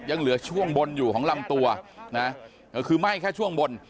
ยังเหลือช่วงบนอยู่ของลำตัวนะคือไหม้แค่ช่วงบน